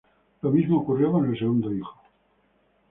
Lo mismo ocurrió con el segundo hijo.